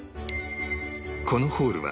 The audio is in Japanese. このホールは